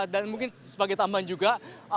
dan mungkin sebagai tambahan juga